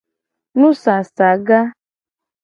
Nusasaga.